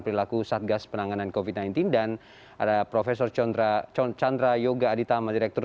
pelaku satgas penanganan covid sembilan belas dan ada profesor chandra chandra yoga aditama direktur